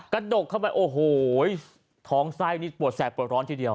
ดกเข้าไปโอ้โหท้องไส้นี่ปวดแสบปวดร้อนทีเดียว